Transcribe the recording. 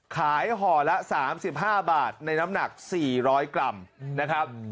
ขายห่อละ๓๕บาทในน้ำหนัก๔๐๐กรัม